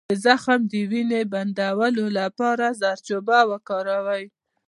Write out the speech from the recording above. د زخم د وینې بندولو لپاره زردچوبه وکاروئ